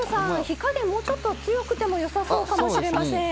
火加減もうちょっと強くてもよさそうかもしれません。